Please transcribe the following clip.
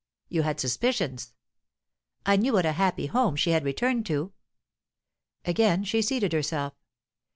"You had suspicions?" "I knew what a happy home she had returned to." Again she seated herself.